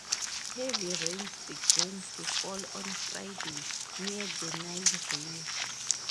Heavy rains began to fall on Friday near the Nile River.